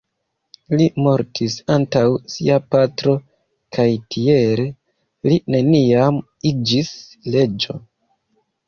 Li mortis antaŭ sia patro kaj tiele li neniam iĝis reĝo.